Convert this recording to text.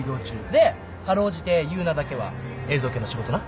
でかろうじて結奈だけは映像系の仕事な。